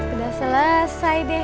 udah selesai deh